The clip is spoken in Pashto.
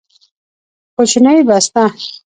کوچنۍ بسته